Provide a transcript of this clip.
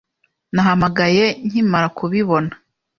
Nahamagaye nkimara kubibona